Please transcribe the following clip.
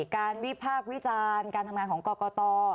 วิพากษ์วิจารณ์การทำงานของกรกต